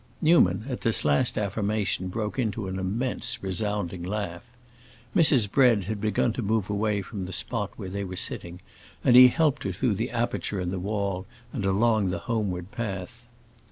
Newman, at this last affirmation, broke into an immense, resounding laugh. Mrs. Bread had begun to move away from the spot where they were sitting, and he helped her through the aperture in the wall and along the homeward path.